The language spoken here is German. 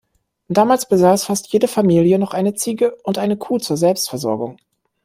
Damals besaß fast jede Familie noch eine Ziege und eine Kuh zur Selbstversorgung.